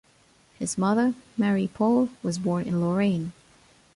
His mother, Marie-Paule, was born in Lorraine.